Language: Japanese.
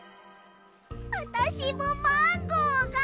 あたしもマンゴーが。